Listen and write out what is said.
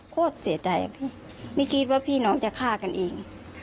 เสียใจพี่ไม่คิดว่าพี่น้องจะฆ่ากันเอง